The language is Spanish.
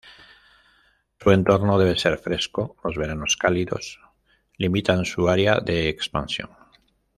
Su entorno deber ser fresco, los veranos cálidos limitan su área de expansión.